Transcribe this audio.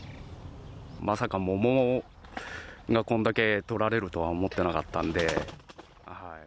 まさか桃もこんだけとられるとは思ってなかったんで。